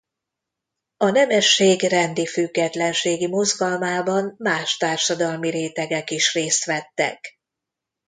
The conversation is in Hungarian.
A nemesség rendi-függetlenségi mozgalmában más társadalmi rétegek is részt vettek.